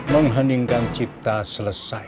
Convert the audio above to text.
mengheningkan cipta selesai